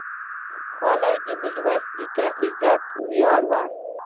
خولۍ د میرویس نیکه عزت ویاړ و.